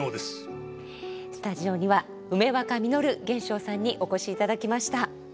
スタジオには梅若実玄祥さんにお越しいただきました。